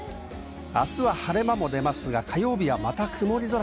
明日は晴れ間もありますが、火曜日は曇り空。